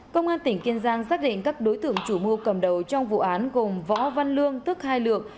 công an tỉnh kiên giang xác định các đối tượng chủ mưu cầm đầu trong vụ án gồm võ văn lương tức hai lược